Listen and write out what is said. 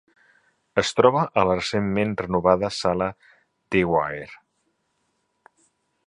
Es troba a la recentment renovada Sala Dwire.